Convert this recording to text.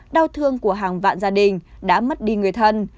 đau thương của hàng vạn gia đình đã mất đi người thân